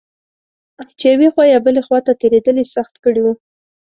چې یوې خوا یا بلې خوا ته تېرېدل یې سخت کړي و.